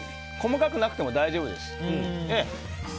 細かくなくても大丈夫です。